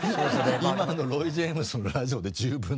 今のロイ・ジェームスのラジオで十分なんですよ。